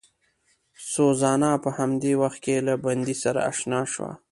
سوزانا په همدې وخت کې له بندي سره اشنا شوه.